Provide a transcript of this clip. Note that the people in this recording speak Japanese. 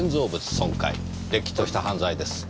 れっきとした犯罪です。